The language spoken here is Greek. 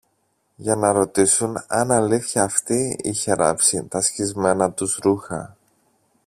για να ρωτήσουν αν αλήθεια αυτή είχε ράψει τα σχισμένα τους ρούχα